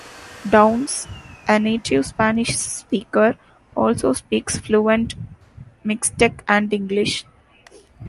Downs, a native Spanish speaker, also speaks fluent Mixtec and English.